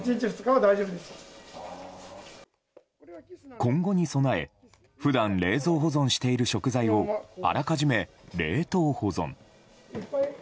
今後に備え、普段冷蔵保存している食材をあらかじめ冷凍保存。